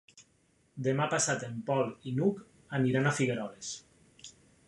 Demà passat en Pol i n'Hug aniran a Figueroles.